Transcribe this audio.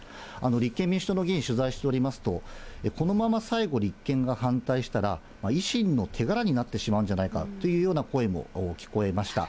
立憲民主党の議員、取材しておりますと、このまま最後、立憲が反対したら、維新の手柄になってしまうんじゃないかというような声も聞こえました。